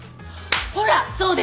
ほらそうでしょ。